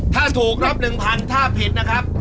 ถ้าถูกรับ๑๐๐๐ถ้าผิดนะครับ